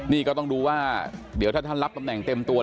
นี่ก็ต้องดูว่าเดี๋ยวถ้าท่านรับตำแหน่งเต็มตัว